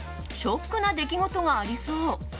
ショックな出来事がありそう。